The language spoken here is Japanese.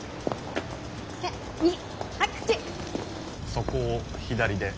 そこを左で。